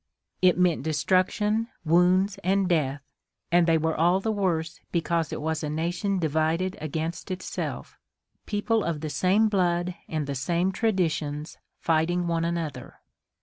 It meant destruction, wounds and death, and they were all the worse because it was a nation divided against itself, people of the same blood and the same traditions fighting one another.